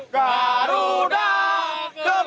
garuda di dadaku